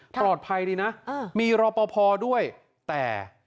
ปลอดภัยดีนะมีรทพอดีแต่